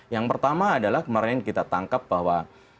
yang pertama adalah kemarin kita tangkap bahwa